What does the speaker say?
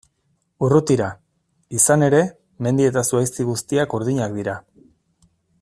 Urrutira, izan ere, mendi eta zuhaizti guztiak urdinak dira.